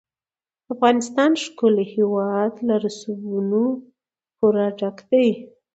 د افغانستان ښکلی هېواد له رسوبونو پوره ډک دی.